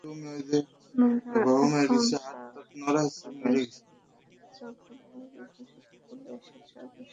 অন্যরা এখন সরকারের চোখে বৈরী ঘোষিত হলেও এরশাদ সরকারের সঙ্গেই আছেন।